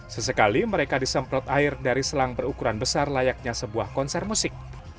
sesekali mereka disemprot air dari selang berukuran besar layaknya sebuah konser musik